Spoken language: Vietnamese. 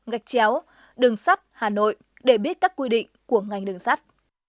gạch chéo đường sắt hà nội để biết các quy định của ngành đường sắt